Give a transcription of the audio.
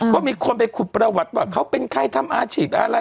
ก็มีคนไปขุดประวัติว่าเขาเป็นใครทำอาชีพอะไร